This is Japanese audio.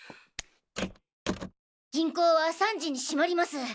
銀行は３時に閉まります。